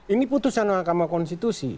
ini putusan mahkamah konstitusi